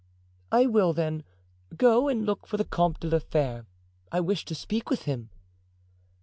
"I will, then. Go and look for the Comte de la Fere; I wish to speak with him."